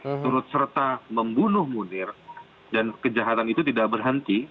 turut serta membunuh munir dan kejahatan itu tidak berhenti